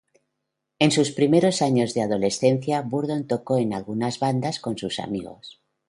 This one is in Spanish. En sus primeros años de adolescencia, Bourdon tocó en algunas bandas con sus amigos.